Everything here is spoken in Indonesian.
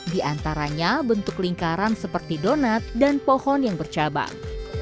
di antaranya bentuk lingkaran seperti donat dan pohon yang bercabang